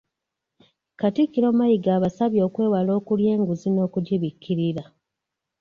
Katikkiro Mayiga abasabye okwewala okulya enguzi n'okugibikkirira.